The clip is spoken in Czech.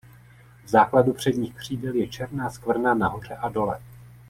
V základu předních křídel je černá skvrna nahoře a dole.